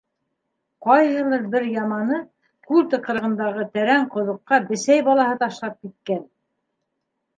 Ҡайһылыр бер яманы күл тыҡрығындағы тәрән ҡоҙоҡҡа бесәй балаһы ташлап киткән.